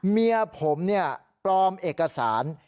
เมียผมเนี่ยปลอมเอกสาร